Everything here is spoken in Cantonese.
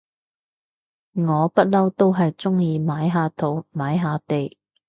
我不嬲都係中意買下土買下地